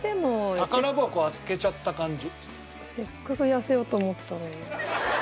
宝箱開けちゃった感じ。